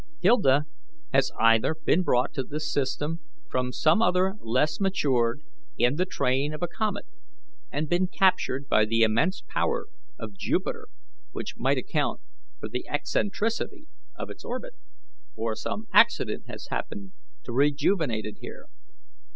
Hilda has either been brought to this system from some other less matured, in the train of a comet, and been captured by the immense power of "Jupiter, which might account for the eccentricity of its orbit, or some accident has happened to rejuvenate it here.